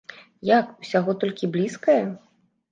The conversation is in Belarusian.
Як, усяго толькі блізкае?!